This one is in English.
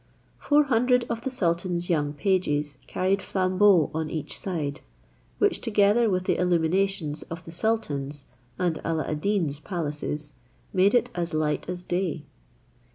Four hundred of the sultan's young pages carried flambeaux on each side, which, together with the illuminations of the sultan's and Alla ad Deen's palaces, made it as light as day.